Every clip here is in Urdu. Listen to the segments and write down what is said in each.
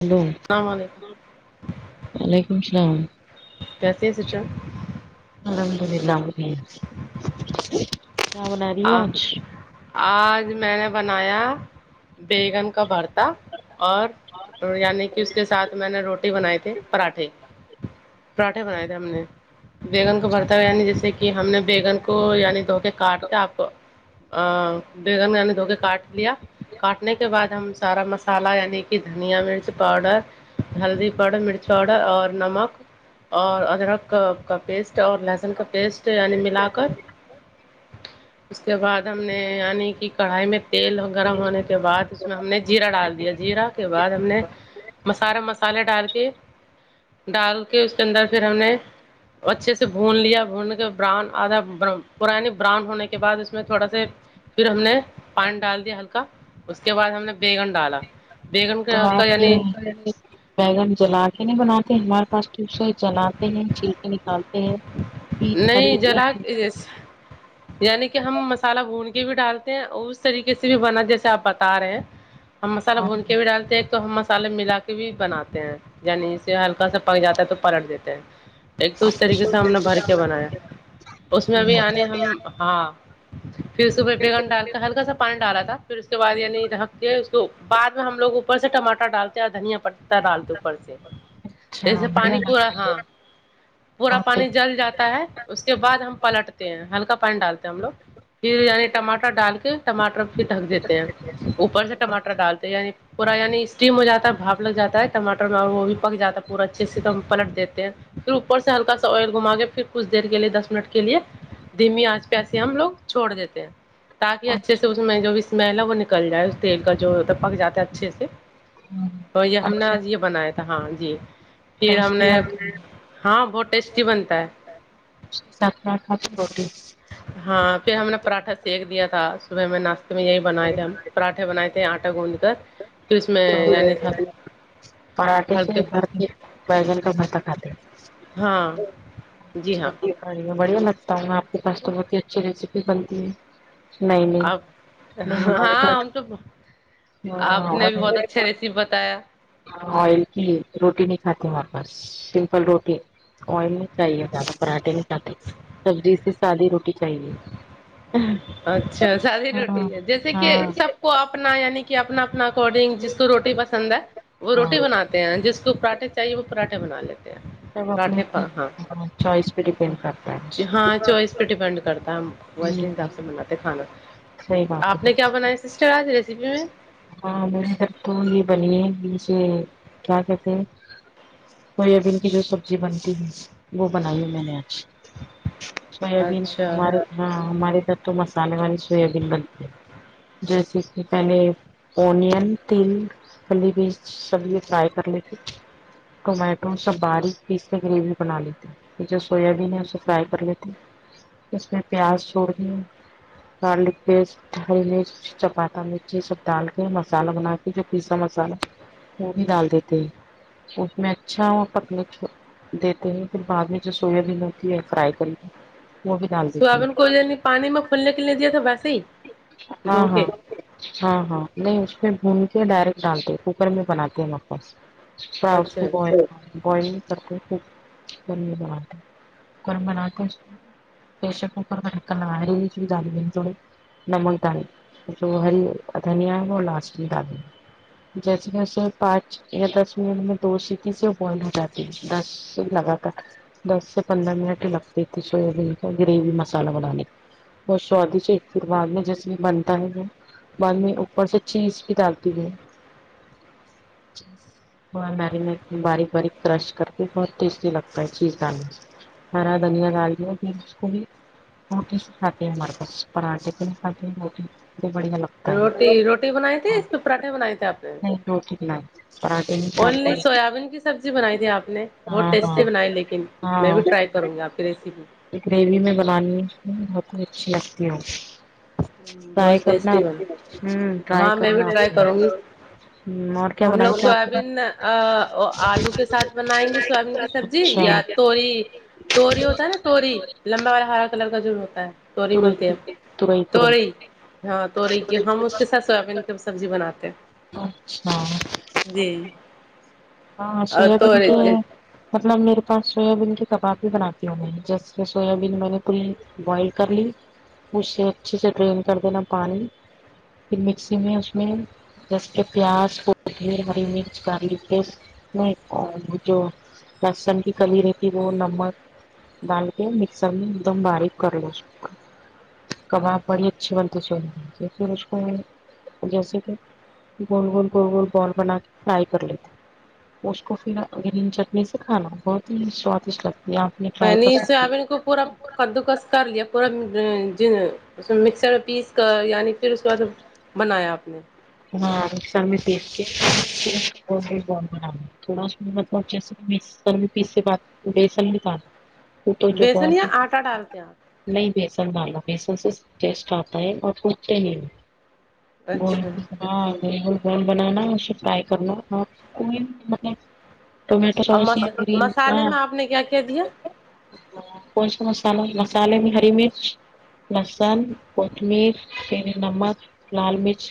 ہیلو السلام علیکم وعلیکم السلام کیسے ہے چا الحمداللہ مزے میں کیا بناری ہو ہاں آج آج میں نے بنایا بیگن کا بھرتا اور یعنی کہ اس کے ساتھ میں نے روٹی بنائی تھی پراٹھے اچ پراٹھے بنائے تھے ہم نے بیگن کا بھرتا ہوا یعنی جیسے کہ ہم نے بیگن کو یعنی دھوکے کاٹ تب بیگن مینے دھو کے کاٹ لیا کاٹنے کے بعد ہم سارا مسالہ یعنی کہ دھنیا مرچ پاؤڈر ہلدی پاؤڈر مرچ پاؤڈر اور نمک اور ادرک کا پیسٹ اور لہسن کا پیسٹ یعنی ملا کر اس کے بعد ہم نے یعنی کہ کڑھائی میں تیل گرم ہونے کے بعد اس میں ہم نے زیرہ ڈال دیا جیرا کے بعد ہم نے سارا مسالہ مسالے ڈال کے ڈال کے اس کے اندر پھر ہم نے اچھے سے بھون لیا بھون کے براؤن آدھا پورا براؤن ہونے کے بعد اس میں تھوڑا سے پھر ہم نے پانی ڈال دیا ہلکا اس کے بعد ہم نے بیگن ڈالا بیگن کا بھرتا یعنی ا [unintelligible] بیگن جلا کے نہیں بناتے ہمارے پاس تو اسے جلاتے ہیں چھیل کے نکالتے ہیں نہیں جلا جیس یعنی کہ ہم مسالہ بھون کے بھی ڈالتے ہیں اس طریقے سے بھی بنا جیسے آپ بتا رہے ہیں ہم مسالہ بھون کے بھی ڈالتے ہیں تو ہم مسالے ملا کے بھی بناتے ہیں یعنی اسے ہلکا سا پک جاتا ہے تو پلٹ دیتے ہیں ایک تو اس طریقے سے ہم نے بھر کے بنایا اس میں ابھی آنے ہم ہاں پھر اس پہ بیگن ڈال کر ہلکا سا پانی ڈالا تھا پھر اس کے بعد یعنی دھاک کے اس کو بعد میں ہم لوگ اوپر سے ٹماٹا ڈالتے ہیں دھنیا پٹتا ڈالتے اوپر سے اچھا جیسے بڑھیا پانی پورا ہاں پورا بہت پانی جل جا تا ہے اس کے بعد ہم پلٹتے ہیں ہلکا پانی ڈالتے ہیں ہم لوگ پھر یعنی ٹماٹر ڈال کے ٹماٹر پھر ڈھک دیتے ہیں اوپر سے ٹماٹر ڈالتے ہیں یعنی پورا یعنی اسٹیم ہو جاتا ہے بھاپ لگ جاتا ہے ٹماٹر وہ بھی پک جاتا ہے پورا اچھے سے پلٹ دیتے ہیں پھر اوپر سے ہلکا سا آئل گھما کے پھر کچھ دیر کے لیے دس منٹ کے لیے دھیمی انچ پےایسے ہی ہم لوگ چھوڑ دیتے ہیں تاکہ اچھے سے اس اچھا میں جو بھی اسمیل ہے وہ نکل جائے اس تیل کا جوب پک جاتا ہے اچھے سے تو یہ ہم نے اچھا آج یہ بنایا تھا ہاں جی پھر ہم ٹیسٹی نے ہوتی ہے ہاں بہت ٹیسٹی بنتا ہے اس کے ساتھ کیا کھاتی روٹی ہاں پھر ہم نے پراٹھا سیکھ دیا تھا صبح میں ناشتے میں یہی بنائے تھے ہم پراٹھے بنائے تھے آٹا گوندھ کر پھر اس میں تو یعنی تھا پراٹھے سے ہلکے [unintelligible] بیگن کا بھرتا کھاتے ہیں ہاں جی ہاں بڑھیا لگتا ہے آپ کے پاس تو بہت ہی اچھی ریسیپی بنتی ہے نہیں نہیں آپ نہیں ہمارے ہاں پاس ہم تو آپ ہاں نے بھی بہت اچھا [unintelligible] ریسیپی بتایا آئل کی روٹی نہیں کھاتی ہمارے پاس سمپل روٹی آئل نہیں چاہیے زیادہ پراٹھے نہیں کھاتے سبزی سادی روٹی چاہیے اچھا سادی روٹی ہے جیسے کہ ہاں سب کو اپنا یعنی کہ اپنا اپنا اکارڈنگ جس کو روٹی پسند ہے وہ ہاں روٹی بناتے ہیں جس کو پراٹھے چاہیے وہ پراٹھے بنا لیتے ہے سب پراٹھے اپنی پہ ہاں چوائس پہ ڈیپینڈ کرتا ہے ہاں چوائس پہ ڈپینڈ ویسے حساب سے بناتے کھانا صحیح بات آپ نے ہے کیا بنایا سسٹر آج ریسیپی میں ہاں میرے گھر تو یہ بنی ہے اسے کیا کہتے ہیں سویابین کی جو سبزی بنتی ہے وہ بنائی ہے میں نے آج سویا بین اچھا ہمارے ہاں ہمارے گھر تو مسالے والی سویابین بنتی ہے جیسے کہ میں نے اونین تل پھلی بینچ سب یہ فرائی کر لیتی ٹومیٹو سب باریک پیس کے گریوی بنا لیتے یہ جو سویابین ہے اسے فرائی کر لیتے اس میں پیاز چھوڑدےگارلک پیسٹ ہری مرچ چپاٹا یہ سب ڈال کے مسالہ بنا کے جو پیسہ مسالہ وہ بھی ڈال دیتے ہیں اس میں اچھا پکنے چھوڑ دیتے ہیں پھر بعد میں جو سویابین ہوتی ہے فرائی کر سویابین کو یعنی پانی میں پھولنے کے لیے دیا تھا ویسے ہی ہاں دھو ہاں کے ہاں ہاں نہیں اس میں بھون کے ڈائریکٹ ڈالتے کوکر میں بناتے ہیں ہمارے پاس تھوڈا اچھا اسکو بوال آنے بوال کر کے کوکر ڈالتے کوکر میں ڈالتے پرریشر کوکر کا ڈھکن لگائی پھر ڈالی [unintelligible] نمک ڈال ہری دھنیہ وہ لاسٹ میں ڈالینگے جیسے کہ صرف پانچ یا دس منٹ میں دو سیٹی سے وہ بوائل ہو جاتی ہے دس صرف لگاتار دس سے پندرہ منٹ ہی لگتی تھی سویابین کا گریوی مسالہ بنانے وہ سوادش چترواد میں جسے بنتا ہے وہ بعد میں اوپر سے چیز بھی ڈال کے دے وہ مرینٹ میں باریک باریک کرش کر کے بہت ٹیسٹی لگتا ہے چیز ڈالنے ہرا دھنیا ڈال دیا پھر اس کو بھی روٹی سے کھاتے ہے ہمارے پاس پراٹھے سے بھی کھاتے ہے روٹی [unintelligible] روٹی روٹی بنائی تھی ہاں اس پہ پراٹھے بنائے تھے آپ نے نہیں روٹی بنائی پراٹھے اونلی کھاتے سویابین کی سبزی بنائی تھی آپ نے بہت ہاں ٹیسٹی ہاں بنائی لیکن میں ہاں بھی ٹرائی کروں گی آپ کی ریسیپی گریوی میں بنانی بہت اچھی لگتی ہے وہ ھمم بہت ٹیسٹی بنتی ہوں ٹرائی کرنا صحیح ہم لوگ سویابین آ آلو کے ساتھ بنائیں گے سویابین کی سبزی اچھا یا تو توری توری ہوتا ہے نا توری لمبا والا ہرا کلر کا جو ہوتا ہے توری ترئی ملتی ہے ترئی ترئی تورئی ہاں ترئی کہ ہم اس کے ساتھ سویابین کی سبزی بناتے ہیں اچھا جی ہاں اور سویابین توری کی مطلب میرے پاس سویابین کی کباب بھی بناتی ہوں میں جس سے سویابین میں نے توری بوائل کر لی اسے اچھے سے ڈرین کر دینا پانی پھر مکسی میں اس میں جیسے کہ پیاز کوتمیر ہری مرچ گارلک پیسٹ نہیں جو لہسن کی کلی رہتی وہ نمک ڈھال کے مکسر میں ایک دم باریک کر لو شک کباب پڑی اچھی بنتی سو پھر اس کو جیسے کہ گول گول گول گول بال بنا کے فرائی کر لیتے اس کو پھر گرین چٹنی سے کھانا بہت ہی سوادشٹ لگتی ہے آپ نے ٹرائی پہلے کر سکتی ہیں سویابین کو پورا کدو کس کر لیا پورا اوں جوں مکسر میں پیس کر یعنی پھر اس کے بعد بنایا ہاں مکسر میں پیس کی اچھے سے مکس کرے بعد بیسن ملا دو تو جو بیسن بات یا آٹا ڈالتے ہیں آپ نہیں بیسن ڈالا بیسن سے ٹیسٹ آتا ہے اور کودتے ہیں اچھا ہاں بالکل گول بنانا ہے اسے فرائی کرنا ہے ٹومیٹو اور سوس یا مس پودینا مسالے میں آپ نے کیا کیا دیا کون سا مسالا مسالے میں ہری مرچ لہسن کوتمیر پھر نمک لال مرچ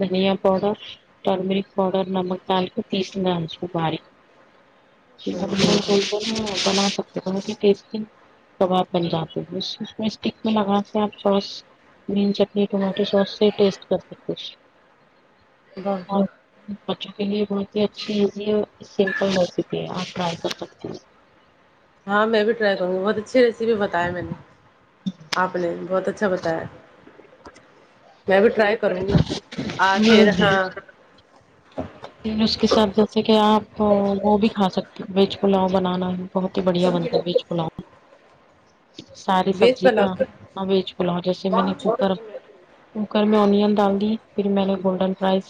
دھنیا پؤڈر ٹرمیریک پؤڈر نمک ڈال کہ پیسنا اس کو باریک گول گول بنا سکتے ہیں ٹیسٹی کباب بن جاتے ہیں میں اسٹک میں لگا کے آپ سوس گرین چٹنی ٹماٹو سوس سے ٹیسٹ کر سکتے بچوں کے لیے بہت ہی اچھی ایزی ہے اور سمپل ریسیپی ہے آپ ٹرائی کر سکتی ہیں ہاں میں بھی ٹرائی کروں گی بہت اچھی ریسیپی بتا ہے میں نے آپ نے بہت اچھا بتایا میں بھی ٹرائی کروں گی آں پھر جی ہاں اس کے ساتھ جیسے کہ آپ وہ وہ بھی کھا سکتے ہو ویج پلاؤ بنانا بہت ہی بڑھیا بنتا ہے ویچ پلاؤ ساری ویج سبزی کا پلاؤ کی ویج پولاؤ جیسے میں نے کوکر کوکر میں اونین ڈال دی پھر میں نے گولڈن فائز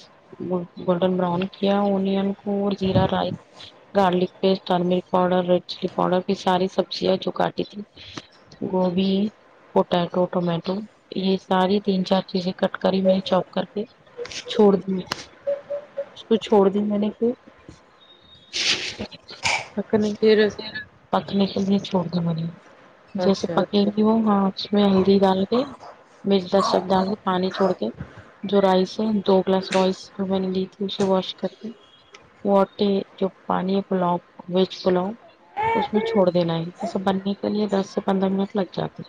براؤن کیا اونین کو اور زیرا rice garlic paste turmeric powder red chilli powder یہ ساری سبزیاں جو کاٹی تھی گوبھی پوٹیٹو ٹمیٹو یہ ساری تین چار چیزیں کٹ کری میں نے چوپ کر کے چھوڑ دے اس کو چھوڑ دی میں نے پھرنے پھر پکنے کے لیے چھوڑ دی مہینے جیسے اچھا پک وه اس میں ہلدی دال کے میز دس سب ڈالو پانی چھوڑ کے جو رائس ہے دو گلاس رائس جو میں نے لی تھی اسے واش کر کے وٹے جو پانی کو پولاؤ ویج پولاؤ اس میں چھوڑ دینا ہے یہ سب بننے کے لیے دس سے پندرہ منٹ لگ جاتے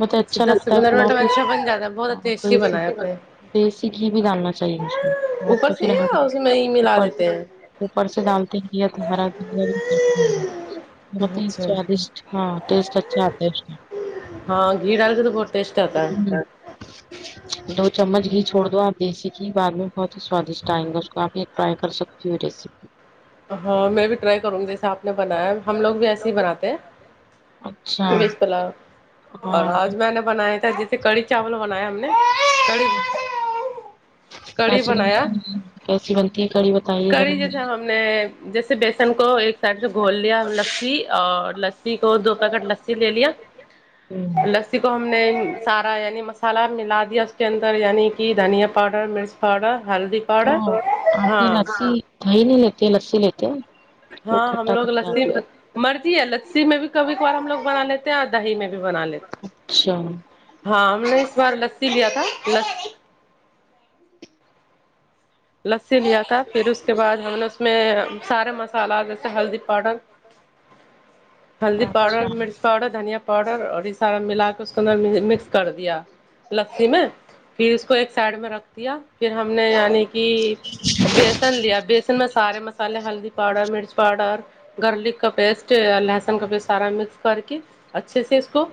مجھے اچھا دس سے لگتا ہے پندرہ پولو منٹ میں اچھا بن جاتا ہے بہت کے ٹیسٹی بنایا اسمے آپ نے دیسی گھی بھی ڈالنا چاہیے مجھ میں اور اوپر تو پھر سے اور اس میں ہی ملا ہم دیتے ہیں اوپر سے ڈالتے ہیں تو ہرا بہت ہی اچھا سوادشٹ ہاں ٹیسٹ اچھا آتا ہے اس ہاں گھی ڈال کے تو بہت ٹیسٹ آتا ہے میں ہ دو چمچ گھی چھوڑ دو آپ دیسی گھی بعد میں بہت ہی سوادشٹ ائیں گے اس کو آپ ایک ٹرائی کر سکتی ہو ریسیپی ہاں میں بھی ٹرائی کروں گی جیسے آپ نے بنایا ہے ہم لوگ بھی ایسے ہی بناتے ہیں اچھا ویج پولو اور ہاں آج میں نے بنایا تھا جس کڑھی چاول بناائے ہم نے کڑی کیسے کیسی بنایا بنتی کیسی بنتی ہے کڑی بتائیے سب میں جیسے بیسن کو ایک سائیڈ سے گھول لیا لسی اور لسی کو دو پکٹ لسی لے لیا ہوں لسی کو ہم نے سارا یعنی مسالہ ملا دیا اس کے اندر یعنی کہ دھنیا پاؤڈر مرچ پاؤڈر ہلدی پاؤڈر تو آپ یہ ہاں لسی دہی نہیں لیتی لسی لیتے ہیں تو ہاں ہم کھٹا لوگ کھٹا لسی مرضی ہے لسی میں بھی کبھی کبھار ہم لوگ بنا لیتے ہیں دہی میں بھی بنا اچھا لیتے ہاں ہم نے اس بار لسی لیا تھا لسی لیا تھا پھر اس کے بعد ہم نے اس میں سارے مسالہ جیسے ہلدی پاؤڈر ہلدی پاؤڈر اچھا مرچ پاؤڈر دھنیا پاؤڈر اور یہ سارا ملا کے اس کو مکس کر دیا لسی میں پھر اس کو ایک سائڈ میں رکھ دیا پھر ہم نے یعنی کہ بیسن لیا بیسن میں سارے مسالے ہلدی پاؤڈر مرچ پاؤڈر گارلک کا پیسٹ لہسن کا پیسٹ سارا مکس کر کے اچھے سے اس کو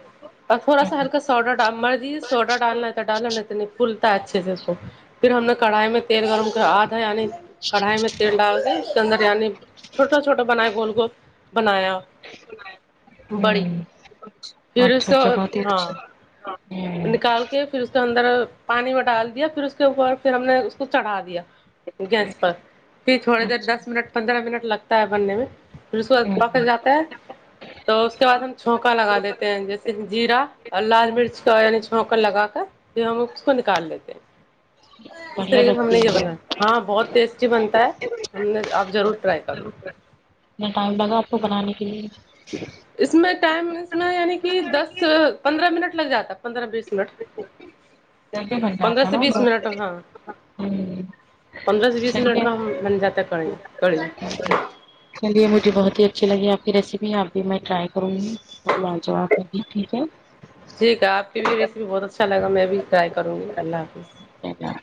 اور تھوڑا ہوں سا ہلکا سوڈا ڈ مرضی سوڈا ڈالنا رہتا ڈالا نہیںت نہیں پھلتا ہے اچھے سے اس کو پھر ہم نے کڑھائی میں تیل گرم کر آدھا یعنی کڑھائی میں تیل ڈال دیں اس کے اندر یعنی چھوٹا چھوٹا بنائے گول گول بنایا بڑی پھر اچھا سے اچھا بہت ہی ہاں اچھا ہوں نکال کے پھر اس کے اندر پانی ب ڈال دیا پھر اس کے اوپر پھر ہم نے اس کو چڑھا دیا گیس پر پھر تھوڑی دیر اچھا دس منٹ پندرہ منٹ لگتا ہے بننے میں پھر اس و ہوں پکڑ جاتا ہے تو اس کے بعد ہم چھونکا لگا دیتے ہیں جیسے جیرا اور لال مرچ تو یعنی چھک کر لگا کے پھر ہم اس کو نکال لیتے ہیں اس بڑھیا طریقے سے ہم لگتی نے یہ ہے بنایا ہاں بہت ٹیسٹی بنتا ہے ہم نے آپ ضرور ٹرائی کرنا اتنا ٹائم لگا آپ کو بنانے کے لیے اس میں ٹائم اس میں یعنی کہ دس پندرہ منٹ لگ جاتا پندرہ بیس منٹ جے بنٹ آ پندرہ تھا سے نا بیس منٹ ہاں [unintelligible] پندرہ سے بیس منٹ چلیے میں ہم بن جاتےی کری کری چلیے مجھے بہت ہی اچھی لگی آپ کی ریسیپی اب بھی میں ٹرائی کروں گی لا جواب کری ٹھیک ہے ٹھیک ہے آپ بھی ریسیپی بہت اچھا لگا میں بھی ٹرائی کروں گی اللہ حافظ اللہ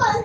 ہاں [unintelligible]